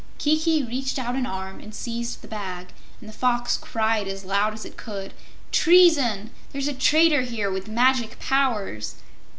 Kiki reached out an arm and seized the bag, and the Fox cried as loud as it could: "Treason! There's a traitor here with magic powers!"